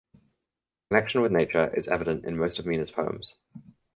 The connection with nature is evident in most of Mina’s poems.